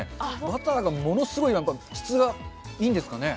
バターがものすごい質がいいんですかね。